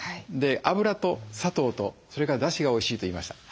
脂と砂糖とそれからだしがおいしいと言いました。